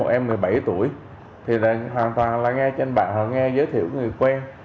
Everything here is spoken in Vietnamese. rõ ràng em thấy một em một mươi bảy tuổi thì hoàn toàn là nghe trên bàn họ nghe giới thiệu người quen